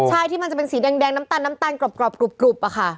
ใช่ที่มันจะเป็นสีแดงน้ำตาลกรอบกรูปอ่าค่ะ